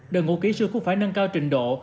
đội ngũ kỹ sư cũng phải nâng cao trình độ